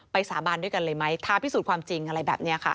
สาบานด้วยกันเลยไหมทาพิสูจน์ความจริงอะไรแบบนี้ค่ะ